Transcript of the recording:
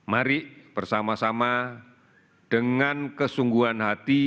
mari bersama sama dengan kesungguhan hati